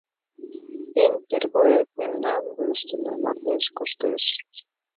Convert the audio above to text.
Эн первояк — мемнан вуйыштына мардеж коштеш.